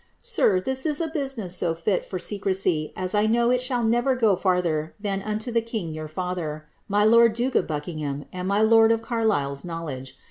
Sir, this is a business so fit for secresy as 1 know it shall never go farther than unto the king your iatlier, my lord duke of Buckingham, and my lord of Carlisle's knowledge.